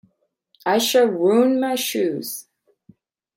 I shall ruin my shoes.